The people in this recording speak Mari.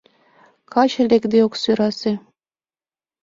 Каче лекде ок сӧрасе.